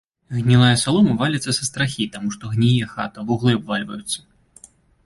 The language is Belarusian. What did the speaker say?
Гнілая салома валіцца са страхі, таму што гніе хата, вуглы абвальваюцца.